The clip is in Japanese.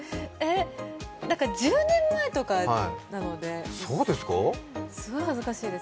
１０年前とかなので、すごい恥ずかしいです。